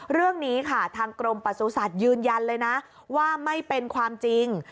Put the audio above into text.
เรื่องนี้ค่ะทางกรมประสุทธิ์ยืนยันเลยนะว่าไม่เป็นความจริง